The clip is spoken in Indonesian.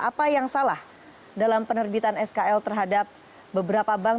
apa yang salah dalam penerbitan skl terhadap beberapa bank